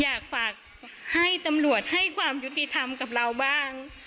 อยากฝากให้ตำรวจให้ความยุติธรรมกับเราบ้าง